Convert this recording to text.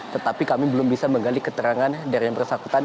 tetapi kami belum bisa menggali keterangan dari yang bersangkutan